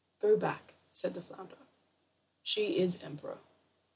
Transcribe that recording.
"Go back," said the flounder. "She is emperor."